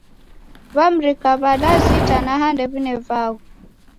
W'amrika w'alazi itanaha ndew'ine vaghu